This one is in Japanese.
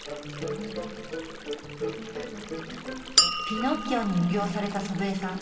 ピノッキオに魅了された祖父江さん。